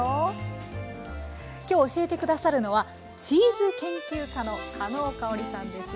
今日教えて下さるのはチーズ研究家のかのうかおりさんです。